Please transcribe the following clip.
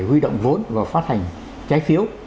huy động vốn và phát hành trái phiếu